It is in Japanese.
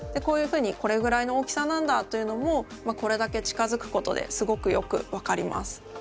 こういうふうにこれぐらいの大きさなんだというのもこれだけ近づくことですごくよく分かります。